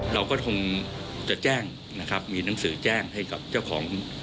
เราก็คงจะแจ้งนะครับมีหนังสือแจ้งให้กับเจ้าของ